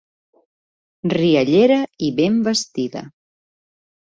Riallera i ben vestida.